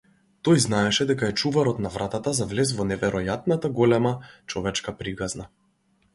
Тој знаеше дека е чуварот на вратата за влез во неверојатната голема човечка приказна.